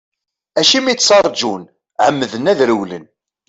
Acimi ttarǧun, ɛemmden ad rewlen.